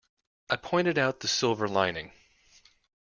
I pointed out the silver lining.